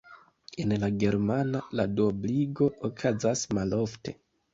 En la germana la duobligo okazas malofte.